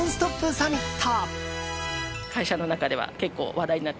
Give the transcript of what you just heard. サミット。